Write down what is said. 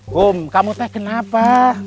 kum kamu teh kenapa